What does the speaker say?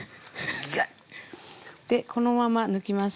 でこのまま抜きます。